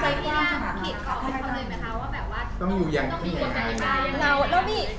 อะไรอย่างนี้